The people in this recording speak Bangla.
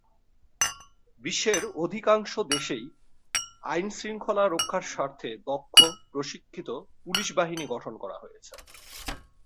বিশ্বের অধিকাংশ দেশেই আইন-শৃঙ্খলা রক্ষার স্বার্থে দক্ষ, প্রশিক্ষিত পুলিশ বাহিনী গঠন করা হয়েছে।